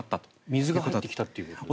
水が入ってきたということですか？